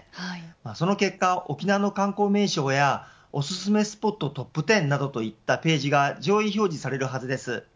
その結果、沖縄の観光名所やおすすめのスポットトップ１０といったページが上位表示されるはずです。